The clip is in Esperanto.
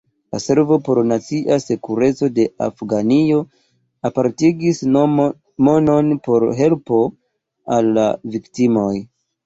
La Servo por nacia sekureco de Afganio apartigis monon por helpo al la viktimoj.